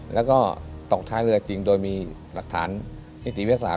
แล้วก็ตกท้ายเรือจริงโดยมีหลักฐานนิติวิทยาศาส